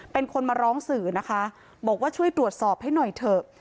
เป็นคนมาร้องสื่อนะคะบอกว่าช่วยตรวจสอบให้หน่อยเถอะ